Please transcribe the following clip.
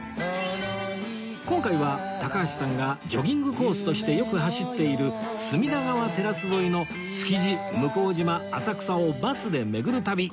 今回は高橋さんがジョギングコースとしてよく走っている隅田川テラス沿いの築地向島浅草をバスで巡る旅